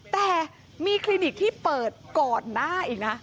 แต่มีคลินิกที่เปิดก่อนหน้าอีกนะ